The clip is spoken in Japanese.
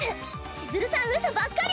千鶴さんうそばっかり！